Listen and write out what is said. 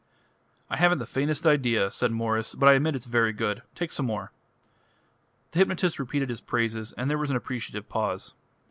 "Haven't the faintest idea," said Mwres, "but I admit it's very good. Take some more." The hypnotist repeated his praises, and there was an appreciative pause.